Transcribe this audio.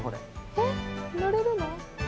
えっ乗れるの？